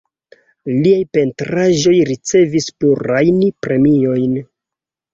Liaj pentraĵoj ricevis plurajn premiojn.